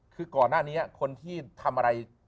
คือก่อนหน้านี้คนที่ทำอะไร